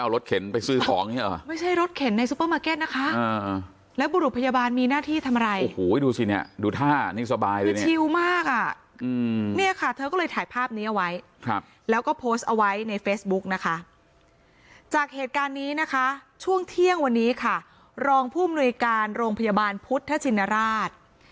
รองผู้มนุษยการโรงพยาบาลพุทธชินราช